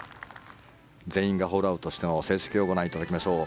全員がホールアウトしての成績をご覧いただきましょう。